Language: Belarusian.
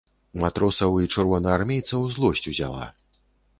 Матросаў і чырвонаармейцаў злосць узяла.